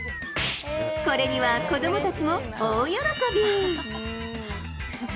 これには子どもたちも大喜び。